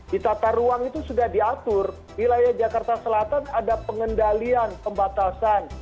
di tata ruang itu sudah diatur wilayah jakarta selatan ada pengendalian pembatasan